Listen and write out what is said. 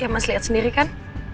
ya mas lihat sendiri kan